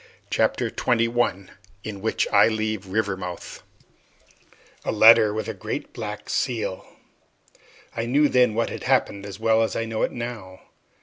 Chapter Twenty One In Which I Leave Rivermouth A letter with a great black seal! I knew then what had happened as well as I know it now.